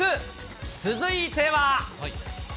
続いては。